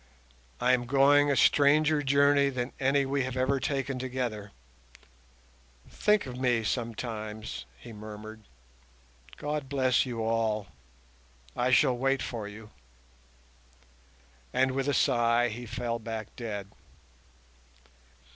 "I am going a stranger journey than any we have ever taken together. Think of me sometimes," he murmured. "God bless you all. I shall wait for you." And with a sigh he fell back dead.